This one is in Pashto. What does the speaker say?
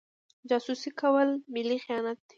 جاسوسي کول ملي خیانت دی.